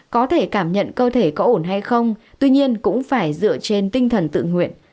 có thể cảm nhận cơ thể có ổn hay không tuy nhiên cũng phải dựa trên tinh thần tự nguyện